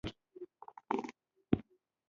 د اوزبکو د ملایانو قضیه راواخلې.